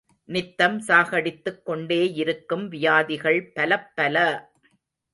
நித்தம் சாகடித்துக் கொண்டேயிருக்கும் வியாதிகள் பலப்பல!